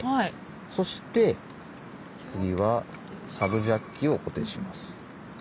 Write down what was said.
そして次はサブジャッキを固定します。